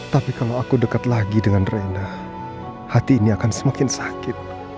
tapi kalau aku dekat lagi dengan rena hati ini akan semakin sakit